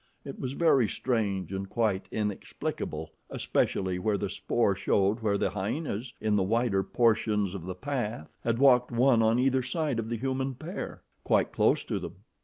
It was very strange and quite inexplicable, especially where the spoor showed where the hyenas in the wider portions of the path had walked one on either side of the human pair, quite close to them.